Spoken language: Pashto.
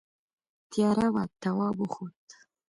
تیاره وه تواب وخوت.